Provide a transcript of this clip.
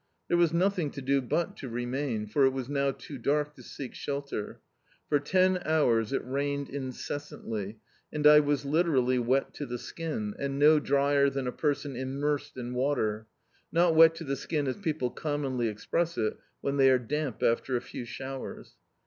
There was nothing to do but to remain, for it was now too dark to seek shelter. For ten hours it rained incessantly, and I was literally wet to the skin, and no drier than a person immersed in water — not wet to the skin as people commonly express it when they are damp after a few showers.